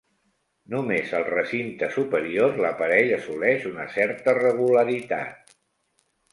Només al recinte superior l'aparell assoleix una certa regularitat.